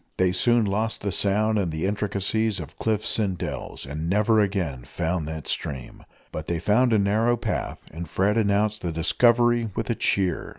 They soon lost the sound in the intricacies of cliffs and dells, and never again found that stream. But they found a narrow path, and Fred announced the discovery with a cheer.